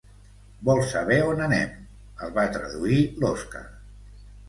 Vol saber on anem —el va traduir l'Oskar—.